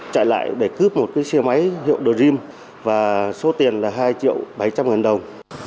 chạy lại để cướp một xe máy hiệu dream và số tiền là hai triệu bảy trăm linh ngàn đồng